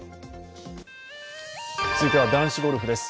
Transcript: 続いては男子ゴルフです。